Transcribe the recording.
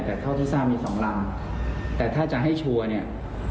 แต่เท่าที่ทราบมีสองลำแต่ถ้าจะให้ชัวร์เนี่ย